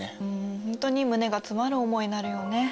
本当に胸が詰まる思いになるよね。